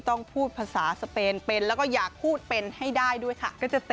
ต้องพูดภาษาสเปนเป็นแล้วก็อยากพูดเป็นให้ได้ด้วยค่ะ